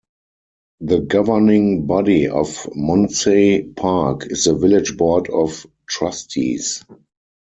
The governing body of Munsey Park is the Village Board of Trustees.